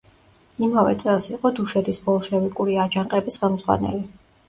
იმავე წელს იყო დუშეთის ბოლშევიკური აჯანყების ხელმძღვანელი.